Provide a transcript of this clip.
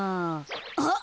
あっ！